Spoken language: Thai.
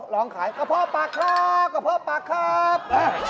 ลองขายกระเพาะปากครับกระเพาะปากครับ